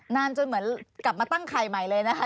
นานจนเหมือนกลับมาตั้งไข่ใหม่เลยนะคะ